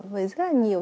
với rất là nhiều